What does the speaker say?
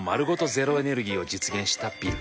ゼロエネルギーを実現したビル。